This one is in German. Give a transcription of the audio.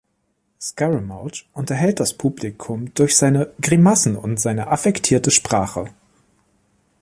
Scaramouche unterhält das Publikum durch seine „Grimassen und seine affektierte Sprache“.